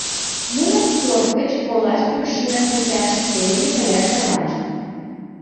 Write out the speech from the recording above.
Нуно порт гыч олаш кӱкшӱ насыпян шоссе дене каяш тарванышт.